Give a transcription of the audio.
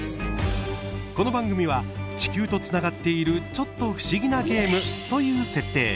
この番組は地球とつながっているちょっと不思議なゲームという設定。